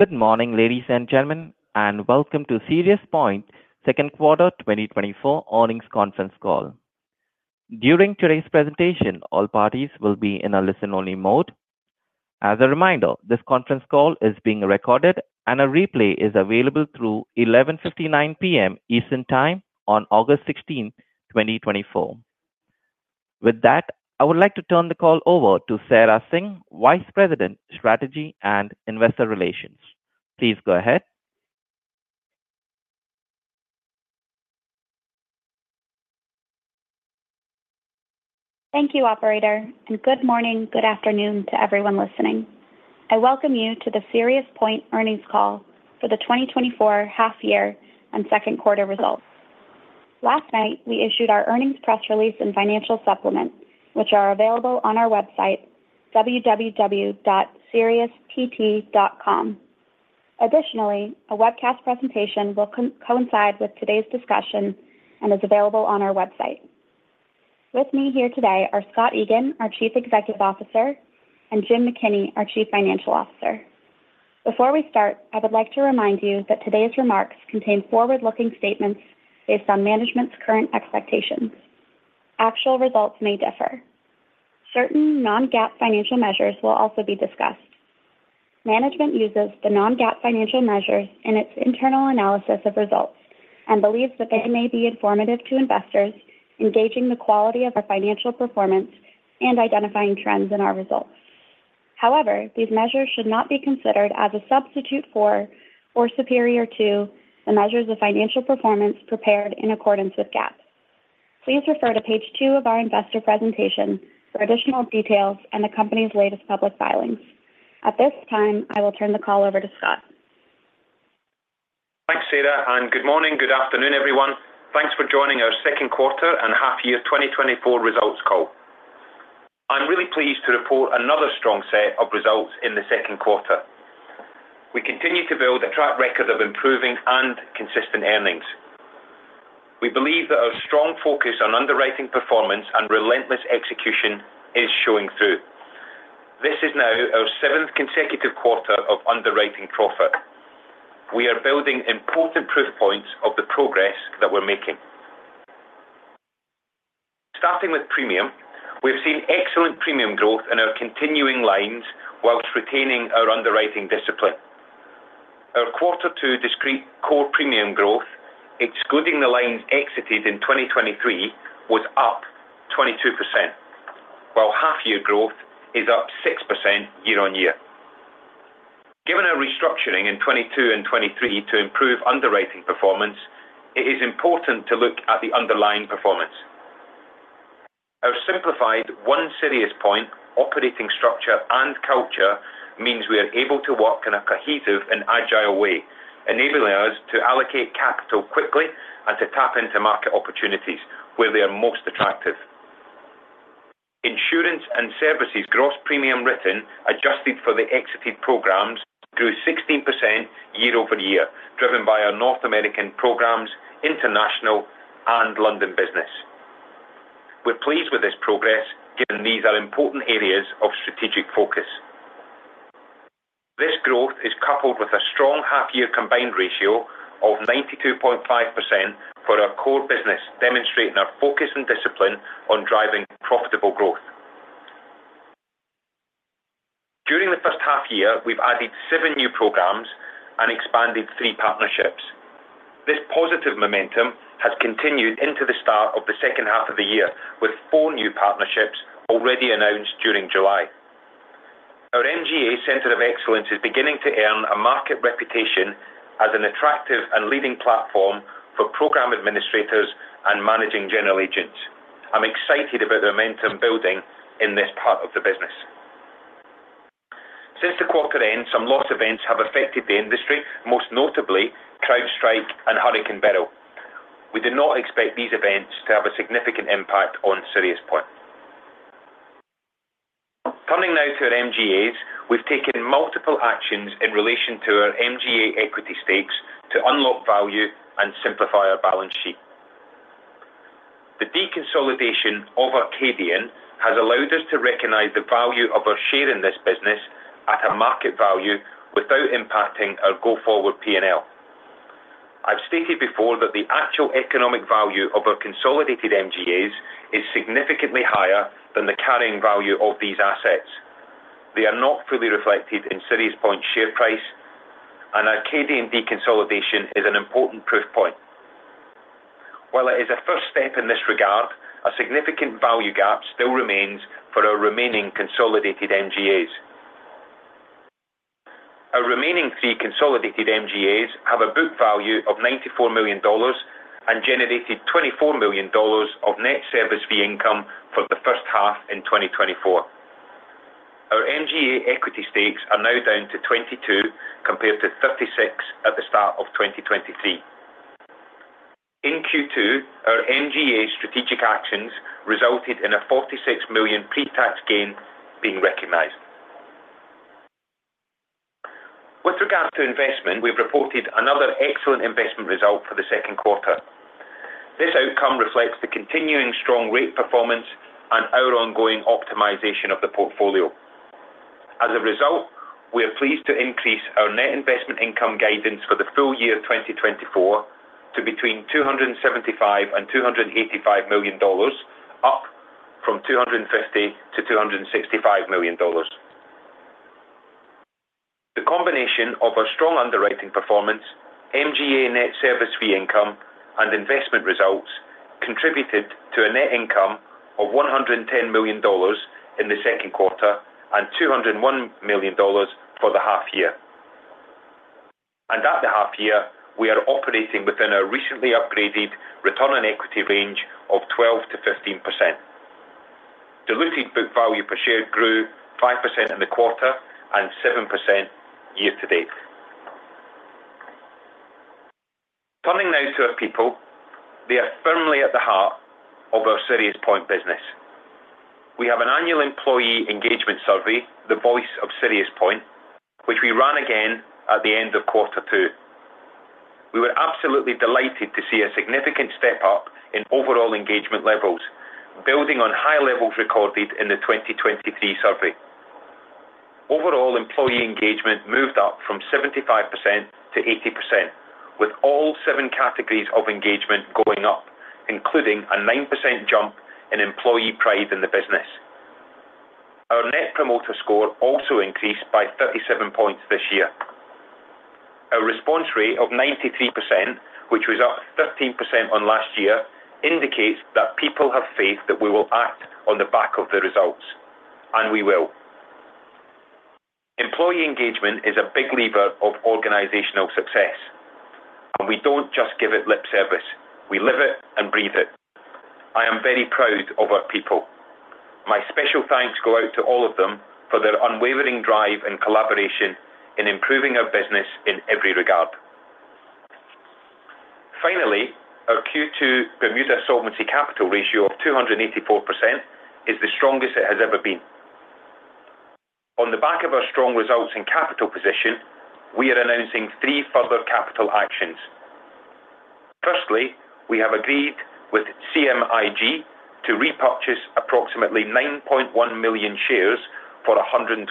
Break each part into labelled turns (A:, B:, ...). A: Good morning, ladies and gentlemen, and welcome to SiriusPoint's second quarter 2024 earnings conference call. During today's presentation, all parties will be in a listen-only mode. As a reminder, this conference call is being recorded, and a replay is available through 11:59 P.M. Eastern Time on August 16, 2024. With that, I would like to turn the call over to Sarah Singh, Vice President, Strategy and Investor Relations. Please go ahead.
B: Thank you, Operator, and good morning, good afternoon to everyone listening. I welcome you to the SiriusPoint earnings call for the 2024 half-year and second quarter results. Last night, we issued our earnings press release and financial supplement, which are available on our website, www.siriuspoint.com. Additionally, a webcast presentation will coincide with today's discussion and is available on our website. With me here today are Scott Egan, our Chief Executive Officer, and Jim McKinney, our Chief Financial Officer. Before we start, I would like to remind you that today's remarks contain forward-looking statements based on management's current expectations. Actual results may differ. Certain non-GAAP financial measures will also be discussed. Management uses the non-GAAP financial measures in its internal analysis of results and believes that they may be informative to investors, regarding the quality of our financial performance and identifying trends in our results. However, these measures should not be considered as a substitute for or superior to the measures of financial performance prepared in accordance with GAAP. Please refer to page two of our investor presentation for additional details and the company's latest public filings. At this time, I will turn the call over to Scott.
C: Thanks, Sarah, and good morning, good afternoon, everyone. Thanks for joining our second quarter and half-year 2024 results call. I'm really pleased to report another strong set of results in the second quarter. We continue to build a track record of improving and consistent earnings. We believe that our strong focus on underwriting performance and relentless execution is showing through. This is now our seventh consecutive quarter of underwriting profit. We are building important proof points of the progress that we're making. Starting with premium, we've seen excellent premium growth in our continuing lines while retaining our underwriting discipline. Our quarter two discrete core premium growth, excluding the lines exited in 2023, was up 22%, while half-year growth is up 6% year-over-year. Given our restructuring in 2022 and 2023 to improve underwriting performance, it is important to look at the underlying performance. Our simplified one-SiriusPoint operating structure and culture means we are able to work in a cohesive and agile way, enabling us to allocate capital quickly and to tap into market opportunities where they are most attractive. Insurance and Services gross premium written adjusted for the exited programs grew 16% year-over-year, driven by our North American Programs, International, and London business. We're pleased with this progress, given these are important areas of strategic focus. This growth is coupled with a strong half-year combined ratio of 92.5% for our core business, demonstrating our focus and discipline on driving profitable growth. During the first half year, we've added seven new programs and expanded three partnerships. This positive momentum has continued into the start of the second half of the year, with four new partnerships already announced during July. Our MGA Centre of Excellence is beginning to earn a market reputation as an attractive and leading platform for program administrators and managing general agents. I'm excited about the momentum building in this part of the business. Since the quarter end, some loss events have affected the industry, most notably CrowdStrike and Hurricane Beryl. We did not expect these events to have a significant impact on SiriusPoint. Turning now to our MGAs, we've taken multiple actions in relation to our MGA equity stakes to unlock value and simplify our balance sheet. The deconsolidation of Arcadian has allowed us to recognize the value of our share in this business at a market value without impacting our go-forward P&L. I've stated before that the actual economic value of our consolidated MGAs is significantly higher than the carrying value of these assets. They are not fully reflected in SiriusPoint's share price, and Arcadian deconsolidation is an important proof point. While it is a first step in this regard, a significant value gap still remains for our remaining consolidated MGAs. Our remaining three consolidated MGAs have a book value of $94 million and generated $24 million of net service fee income for the first half in 2024. Our MGA equity stakes are now down to 22, compared to 36 at the start of 2023. In Q2, our MGA strategic actions resulted in a $46 million pre-tax gain being recognized. With regard to investment, we've reported another excellent investment result for the second quarter. This outcome reflects the continuing strong rate performance and our ongoing optimization of the portfolio. As a result, we are pleased to increase our net investment income guidance for the full year 2024 to between $275-$285 million, up from $250-$265 million. The combination of our strong underwriting performance, MGA net service fee income, and investment results contributed to a net income of $110 million in the second quarter and $201 million for the half-year. At the half-year, we are operating within our recently upgraded return on equity range of 12%-15%. Diluted book value per share grew 5% in the quarter and 7% year to date. Turning now to our people, they are firmly at the heart of our SiriusPoint business. We have an annual employee engagement survey, The Voice of SiriusPoint, which we ran again at the end of quarter two. We were absolutely delighted to see a significant step up in overall engagement levels, building on high levels recorded in the 2023 survey. Overall employee engagement moved up from 75% to 80%, with all seven categories of engagement going up, including a 9% jump in employee pride in the business. Our Net Promoter Score also increased by 37 points this year. Our response rate of 93%, which was up 13% on last year, indicates that people have faith that we will act on the back of the results, and we will. Employee engagement is a big lever of organizational success, and we don't just give it lip service. We live it and breathe it. I am very proud of our people. My special thanks go out to all of them for their unwavering drive and collaboration in improving our business in every regard. Finally, our Q2 Bermuda Solvency Capital ratio of 284% is the strongest it has ever been. On the back of our strong results in capital position, we are announcing three further capital actions. Firstly, we have agreed with CMIG to repurchase approximately 9.1 million shares for $125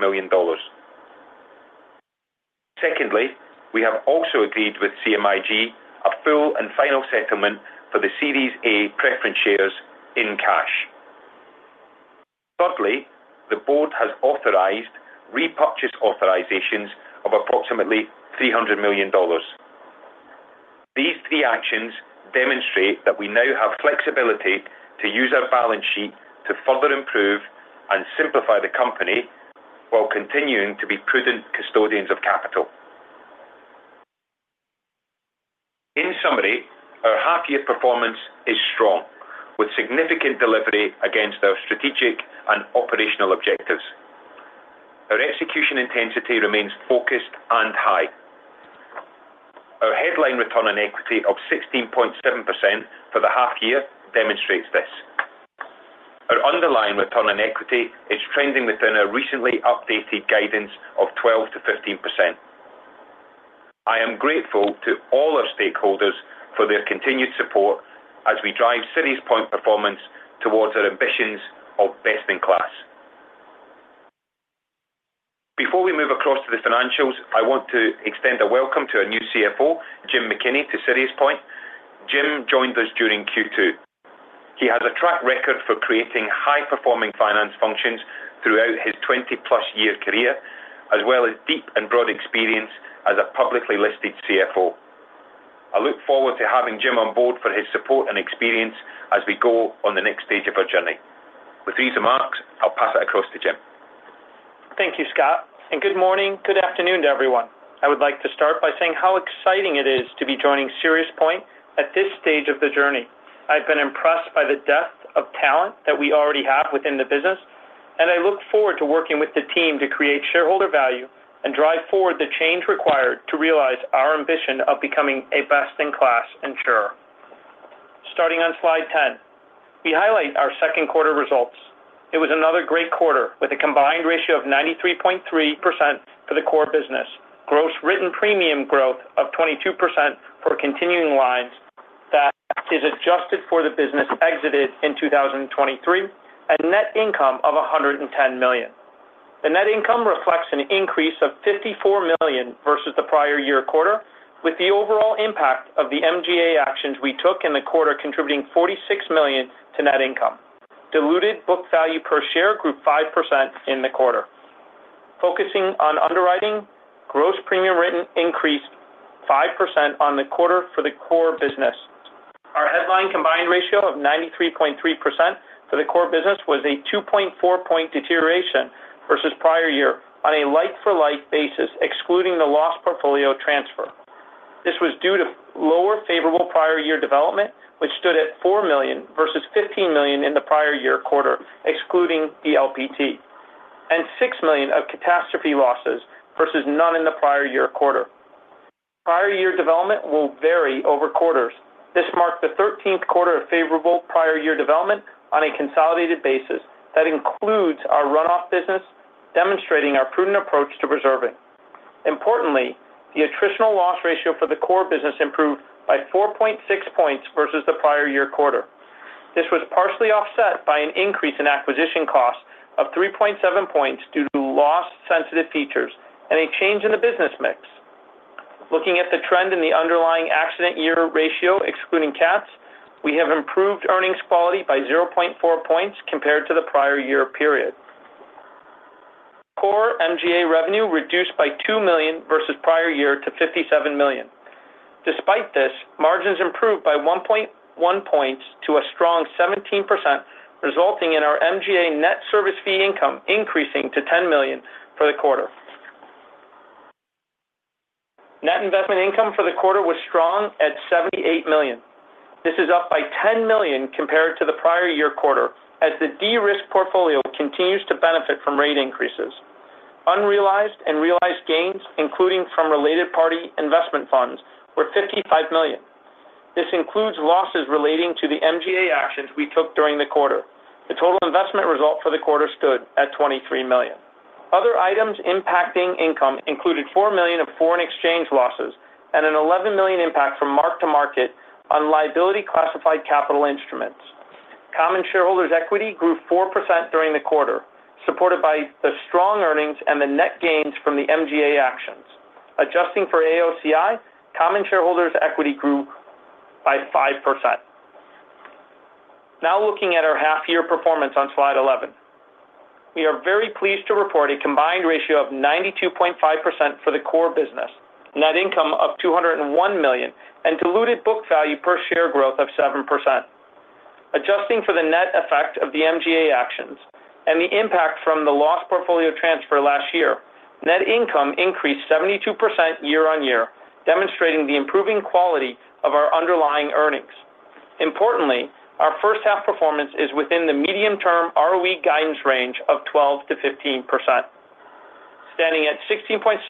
C: million. Secondly, we have also agreed with CMIG a full and final settlement for the Series A preference shares in cash. Thirdly, the board has authorized repurchase authorizations of approximately $300 million. These three actions demonstrate that we now have flexibility to use our balance sheet to further improve and simplify the company while continuing to be prudent custodians of capital. In summary, our half-year performance is strong, with significant delivery against our strategic and operational objectives. Our execution intensity remains focused and high. Our headline return on equity of 16.7% for the half-year demonstrates this. Our underlying return on equity is trending within our recently updated guidance of 12%-15%. I am grateful to all our stakeholders for their continued support as we drive SiriusPoint performance towards our ambitions of best in class. Before we move across to the financials, I want to extend a welcome to our new CFO, Jim McKinney, to SiriusPoint. Jim joined us during Q2. He has a track record for creating high-performing finance functions throughout his 20+-year career, as well as deep and broad experience as a publicly listed CFO. I look forward to having Jim on board for his support and experience as we go on the next stage of our journey. With these remarks, I'll pass it across to Jim.
D: Thank you, Scott. Good morning, good afternoon to everyone. I would like to start by saying how exciting it is to be joining SiriusPoint at this stage of the journey. I've been impressed by the depth of talent that we already have within the business, and I look forward to working with the team to create shareholder value and drive forward the change required to realize our ambition of becoming a best-in-class insurer. Starting on slide 10, we highlight our second quarter results. It was another great quarter with a combined ratio of 93.3% for the core business, gross written premium growth of 22% for continuing lines that is adjusted for the business exited in 2023, and net income of $110 million. The net income reflects an increase of $54 million versus the prior year quarter, with the overall impact of the MGA actions we took in the quarter contributing $46 million to net income. Diluted book value per share grew 5% in the quarter. Focusing on underwriting, gross premium written increased 5% on the quarter for the core business. Our headline combined ratio of 93.3% for the core business was a 2.4-point deterioration versus prior year on a like-for-like basis, excluding the Loss Portfolio Transfer. This was due to lower favorable prior year development, which stood at $4 million versus $15 million in the prior year quarter, excluding the LPT, and $6 million of catastrophe losses versus none in the prior year quarter. Prior year development will vary over quarters. This marked the 13th quarter of favorable prior year development on a consolidated basis that includes our runoff business, demonstrating our prudent approach to preserving. Importantly, the attritional loss ratio for the core business improved by 4.6 points versus the prior year quarter. This was partially offset by an increase in acquisition costs of 3.7 points due to loss-sensitive features and a change in the business mix. Looking at the trend in the underlying accident year ratio, excluding CATs, we have improved earnings quality by 0.4 points compared to the prior year period. Core MGA revenue reduced by $2 million versus prior year to $57 million. Despite this, margins improved by 1.1 points to a strong 17%, resulting in our MGA net service fee income increasing to $10 million for the quarter. Net investment income for the quarter was strong at $78 million. This is up by $10 million compared to the prior year quarter, as the de-risked portfolio continues to benefit from rate increases. Unrealized and realized gains, including from related party investment funds, were $55 million. This includes losses relating to the MGA actions we took during the quarter. The total investment result for the quarter stood at $23 million. Other items impacting income included $4 million of foreign exchange losses and an $11 million impact from mark-to-market on liability classified capital instruments. Common shareholders' equity grew 4% during the quarter, supported by the strong earnings and the net gains from the MGA actions. Adjusting for AOCI, common shareholders' equity grew by 5%. Now looking at our half-year performance on slide 11, we are very pleased to report a combined ratio of 92.5% for the core business, net income of $201 million, and diluted book value per share growth of 7%. Adjusting for the net effect of the MGA actions and the impact from the Loss Portfolio Transfer last year, net income increased 72% year-on-year, demonstrating the improving quality of our underlying earnings. Importantly, our first-half performance is within the medium-term ROE guidance range of 12%-15%, standing at 16.7%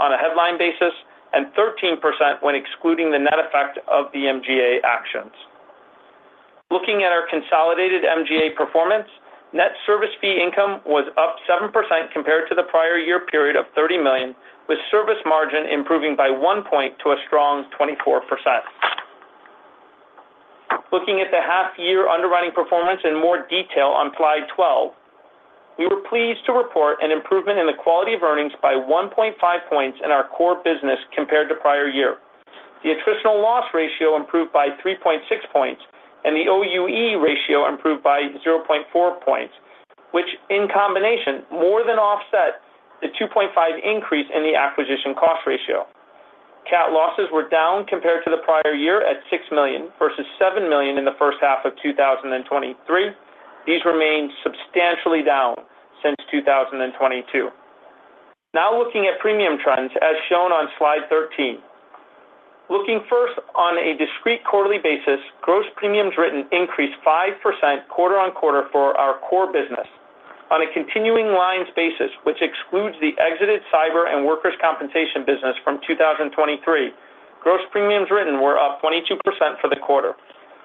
D: on a headline basis and 13% when excluding the net effect of the MGA actions. Looking at our consolidated MGA performance, net service fee income was up 7% compared to the prior year period of $30 million, with service margin improving by 1 point to a strong 24%. Looking at the half-year underwriting performance in more detail on slide 12, we were pleased to report an improvement in the quality of earnings by 1.5 points in our core business compared to prior year. The attritional loss ratio improved by 3.6 points, and the OUE ratio improved by 0.4 points, which in combination more than offset the 2.5 increase in the acquisition cost ratio. CAT losses were down compared to the prior year at $6 million versus $7 million in the first half of 2023. These remained substantially down since 2022. Now looking at premium trends, as shown on slide 13. Looking first on a discrete quarterly basis, gross premiums written increased 5% quarter-over-quarter for our core business. On a continuing lines basis, which excludes the exited cyber and workers' compensation business from 2023, gross premiums written were up 22% for the quarter.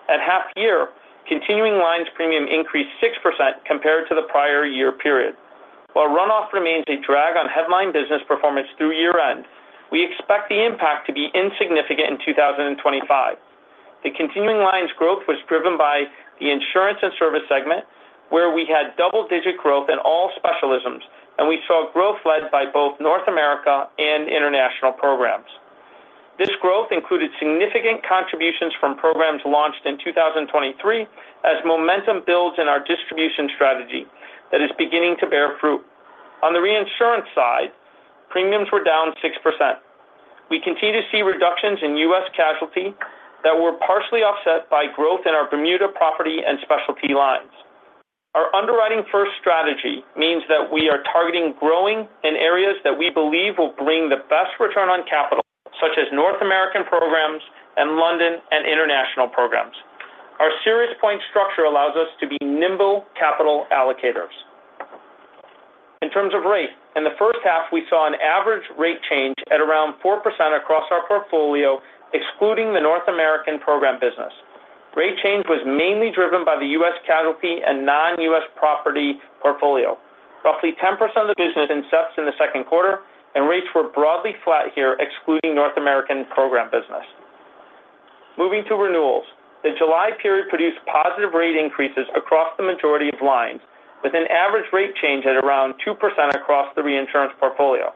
D: At half-year, continuing lines premium increased 6% compared to the prior year period. While runoff remains a drag on headline business performance through year-end, we expect the impact to be insignificant in 2025. The continuing lines growth was driven by the Insurance and Services segment, where we had double-digit growth in all specialisms, and we saw growth led by both North America and international programs. This growth included significant contributions from programs launched in 2023, as momentum builds in our distribution strategy that is beginning to bear fruit. On the reinsurance side, premiums were down 6%. We continue to see reductions in U.S. casualty that were partially offset by growth in our Bermuda property and specialty lines. Our underwriting first strategy means that we are targeting growing in areas that we believe will bring the best return on capital, such as North American programs and London and international programs. Our SiriusPoint structure allows us to be nimble capital allocators. In terms of rate, in the first half, we saw an average rate change at around 4% across our portfolio, excluding the North American program business. Rate change was mainly driven by the U.S. casualty and non-U.S. property portfolio. Roughly 10% of the business incepts in the second quarter, and rates were broadly flat here, excluding North American program business. Moving to renewals, the July period produced positive rate increases across the majority of lines, with an average rate change at around 2% across the reinsurance portfolio.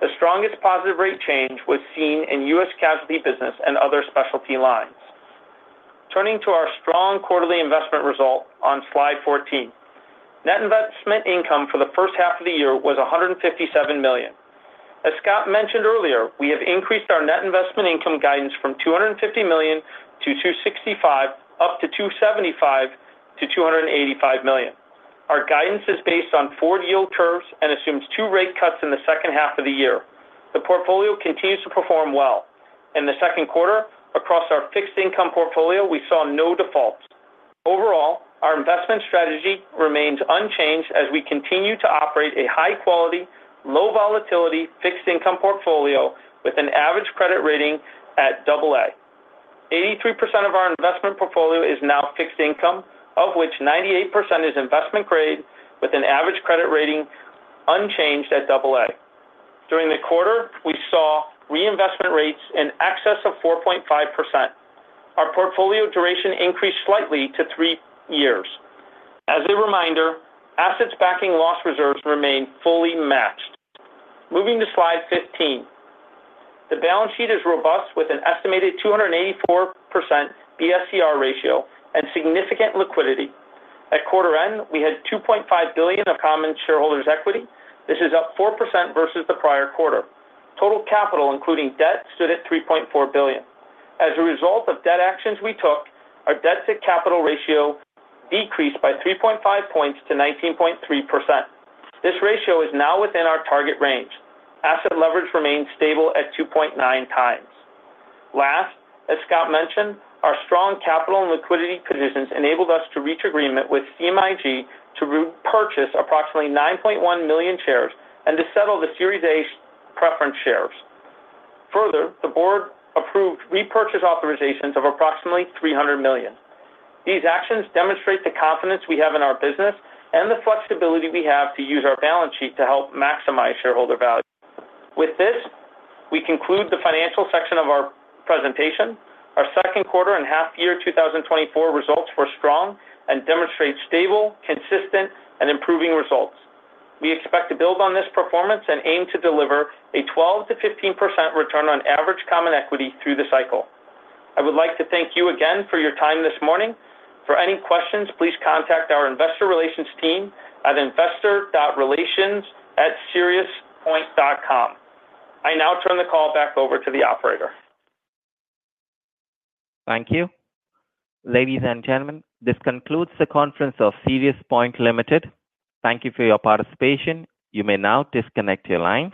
D: The strongest positive rate change was seen in U.S. casualty business and other specialty lines. Turning to our strong quarterly investment result on slide 14, net investment income for the first half of the year was $157 million. As Scott mentioned earlier, we have increased our net investment income guidance from $250 million-$265 million, up to $275 million-$285 million. Our guidance is based on forward yield curves and assumes 2 rate cuts in the second half of the year. The portfolio continues to perform well. In the second quarter, across our fixed income portfolio, we saw no defaults. Overall, our investment strategy remains unchanged as we continue to operate a high-quality, low-volatility fixed income portfolio with an average credit rating at AA. 83% of our investment portfolio is now fixed income, of which 98% is investment grade, with an average credit rating unchanged at AA. During the quarter, we saw reinvestment rates in excess of 4.5%. Our portfolio duration increased slightly to 3 years. As a reminder, assets backing loss reserves remain fully matched. Moving to slide 15, the balance sheet is robust with an estimated 284% BSCR ratio and significant liquidity. At quarter end, we had $2.5 billion of common shareholders' equity. This is up 4% versus the prior quarter. Total capital, including debt, stood at $3.4 billion. As a result of debt actions we took, our debt-to-capital ratio decreased by 3.5 points to 19.3%. This ratio is now within our target range. Asset leverage remains stable at 2.9x. Last, as Scott mentioned, our strong capital and liquidity positions enabled us to reach agreement with CMIG to repurchase approximately 9.1 million shares and to settle the Series A preference shares. Further, the board approved repurchase authorizations of approximately $300 million. These actions demonstrate the confidence we have in our business and the flexibility we have to use our balance sheet to help maximize shareholder value. With this, we conclude the financial section of our presentation. Our second quarter and half-year 2024 results were strong and demonstrate stable, consistent, and improving results. We expect to build on this performance and aim to deliver a 12%-15% return on average common equity through the cycle. I would like to thank you again for your time this morning. For any questions, please contact our investor relations team at investor.relations@siriuspoint.com. I now turn the call back over to the operator.
A: Thank you. Ladies and gentlemen, this concludes the conference of SiriusPoint Ltd. Thank you for your participation. You may now disconnect your line.